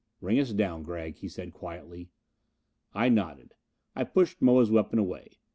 "Ring us down, Gregg," he said quietly. I nodded. I pushed Moa's weapon away.